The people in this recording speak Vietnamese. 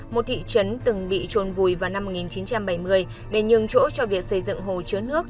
một thị trấn từng bị trôn vùi vào năm một nghìn chín trăm bảy mươi để nhường chỗ cho việc xây dựng hồ chứa nước